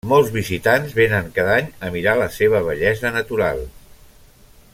Molts visitants vénen cada any a mirar la seva bellesa natural.